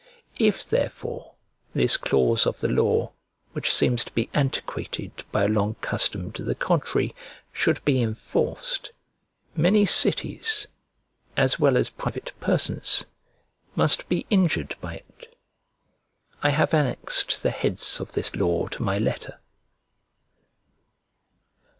If, therefore, this clause of the law, which seems to be antiquated by a long custom to the contrary, should be enforced, many cities, as well as private persons, must be injured by it. I have annexed the heads of this law to my letter.